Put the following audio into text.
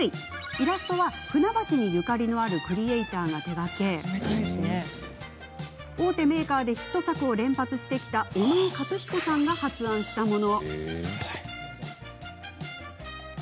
イラストは、船橋にゆかりのあるクリエーターが手がけ大手メーカーでヒット作を連発してきた船橋出身の小野尾勝彦さんが発案したもの。